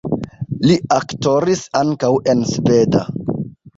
Li aktoris ankaŭ en sveda.